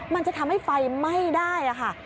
มันจะทำให้ไฟไหม้ได้ค่ะ